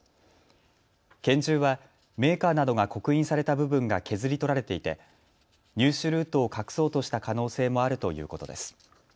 拳銃はメーカーなどが刻印された部分が削り取られていて入手ルートを隠そうとした可能性もあるということです。